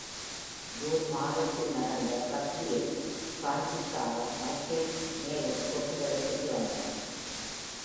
June மாதத்தில் நடந்த ரக்பியில் பிரான்சிற்காக மைக்கேலக் மேலும் தொப்பிகளைப் பெற்று தந்தார்.